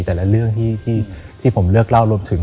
แต่ละเรื่องที่ผมเลือกเล่ารวมถึง